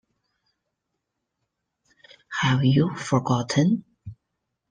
Have You Forgotten?